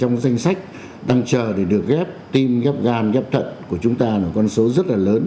trong danh sách đang chờ để được ghép tim ghép gan ghép thận của chúng ta là con số rất là lớn